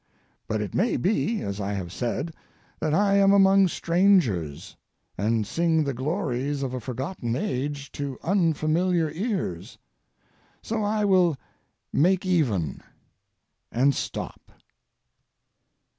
But it may be, as I have said, that I am among strangers, and sing the glories of a forgotten age to unfamiliar ears, so I will "make even" and stop.